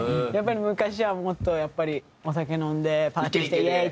昔はもっとやっぱりお酒飲んでパーティーしてイエーイ！